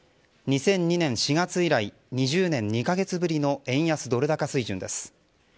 ２００２年４月以来２０年２か月ぶりの円安ドル高水準です。